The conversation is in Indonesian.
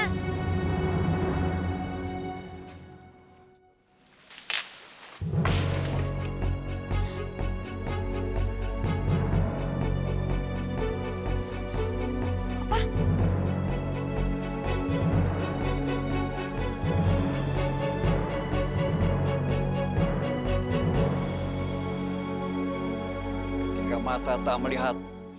ketika mata tak melihat